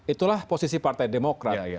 itulah posisi partai demokrat